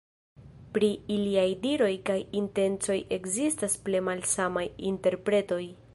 Pri iliaj diroj kaj intencoj ekzistas plej malsamaj interpretoj.